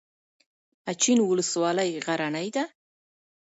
اچین ولسوالۍ غرنۍ ده؟